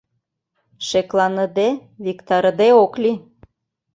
Шекланыде, виктарыде ок лий.